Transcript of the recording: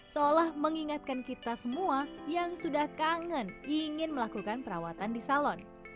seolah mengingatkan kita semua yang sudah kangen ingin melakukan perawatan di salon